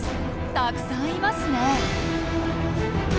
たくさんいますね。